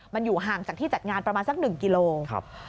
มันอยู่ห่างจากที่จัดงานประมาณสัก๑กิโลกรัม